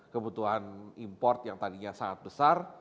kebutuhan import yang tadinya sangat besar